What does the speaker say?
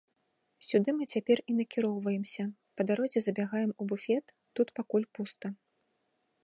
Сюды мы цяпер і накіроўваемся, па дарозе забягаем у буфет, тут пакуль пуста.